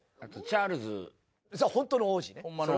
それはホントの王子ね。